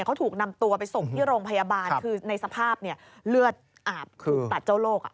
เขาถูกนำตัวไปส่งที่โรงพยาบาลคือในสภาพเนี่ยเลือดอาบถูกตัดเจ้าโรค